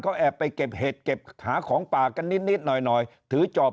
เขาแอบไปเก็บเห็ดเก็บหาของป่ากันนิดหน่อยหน่อยถือจอบ